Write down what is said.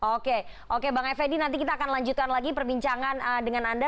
oke oke bang effendi nanti kita akan lanjutkan lagi perbincangan dengan anda